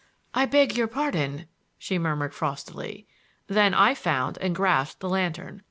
"I beg your pardon," she murmured frostily. Then I found and grasped the lantern.